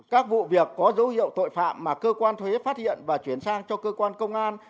các vụ việc có dấu hiệu tội phạm mà cơ quan thuế phát hiện và chuyển sang cho cơ quan công an